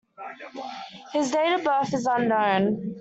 His date of birth is unknown.